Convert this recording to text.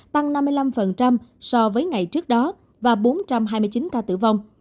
tăng năm mươi năm so với ngày trước đó và bốn trăm hai mươi chín ca tử vong